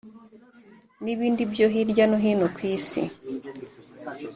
n ibindi byo hirya no hino ku isi